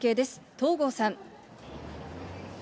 東郷さん。